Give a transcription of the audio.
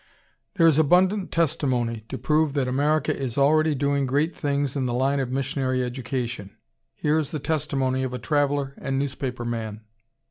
] There is abundant testimony to prove that America is already doing great things in the line of missionary education. Here is the testimony of a traveler and newspaper man.